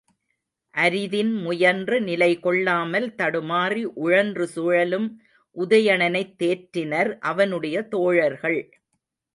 அரிதின் முயன்று நிலை கொள்ளாமல் தடுமாறி உழன்று சுழலும் உதயணனைத் தேற்றினர் அவனுடைய தோழர்கள்.